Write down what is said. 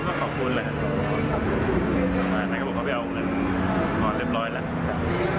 เขาก็ขอบคุณแหละใครก็บอกเขาไปเอาเงินเพราะว่าเรียบร้อยแล้ว